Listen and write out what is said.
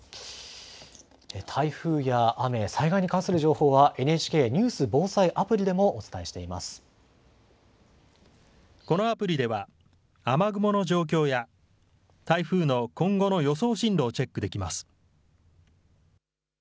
台風や雨、災害に関する情報は、ＮＨＫニュース・防災アプリでもこのアプリでは、雨雲の状況や台風の今後の予想進路をチェックできます。